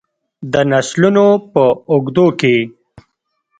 د نسلونو په اوږدو کې.